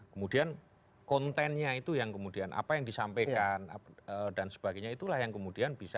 kemudian kontennya itu yang kemudian apa yang disampaikan dan sebagainya itulah yang kemudian bisa